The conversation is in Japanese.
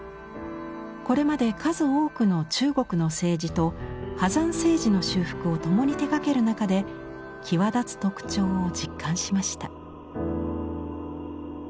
これまで数多くの中国の青磁と波山青磁の修復を共に手がける中で際立つ特徴を実感しました。